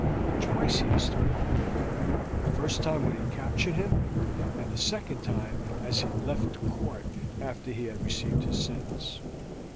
Twice he has threatened me, the first time when we captured him, the second time as he left the court after he had received his sentence.